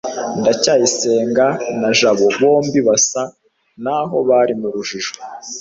ndacyayisenga na jabo bombi basa naho bari mu rujijo